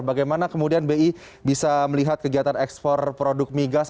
bagaimana kemudian bi bisa melihat kegiatan ekspor produk migas